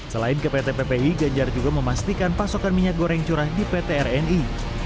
selain ke pt ppi ganjar juga memastikan pasokan minyak goreng curah di pt rni